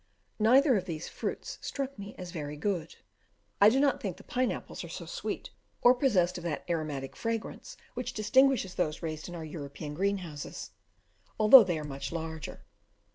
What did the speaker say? Neither of these fruits struck me as very good. I do not think the pine apples are so sweet, or possessed of that aromatic fragrance which distinguishes those raised in our European greenhouses, although they are much larger.